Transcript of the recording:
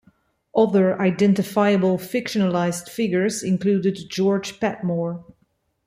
Other identifiable fictionalized figures included George Padmore.